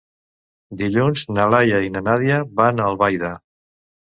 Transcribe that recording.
Dilluns na Laia i na Nàdia van a Albaida.